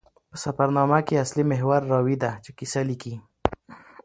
په سفرنامه کښي اصلي محور راوي ده، چي کیسه لیکي.